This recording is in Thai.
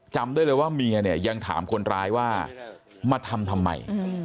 จำได้เลยว่าเมียเนี่ยยังถามคนร้ายว่ามาทำทำไม